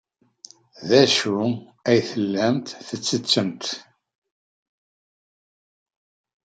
D acu ay tellamt tettettemt?